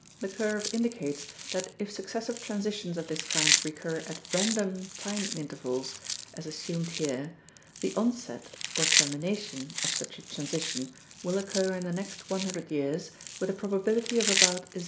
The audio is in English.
The curve indicates that if successive transitions of this kind recur at random time intervals as assumed here, the onset (or termination) of such a transition will occur in the next 100 years with a probability of about 0.